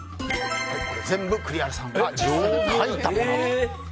全部栗原さんが実際に描いたものと。